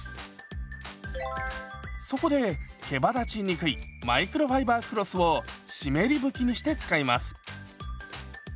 そこでけばだちにくいマイクロファイバークロスを湿り拭きにして使います。